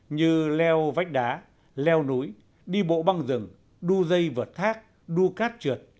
như leo vách đá leo núi đi bộ băng rừng đu dây vượt thác đua cát trượt